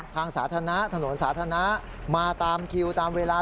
ทางสาธารณะถนนสาธารณะมาตามคิวตามเวลา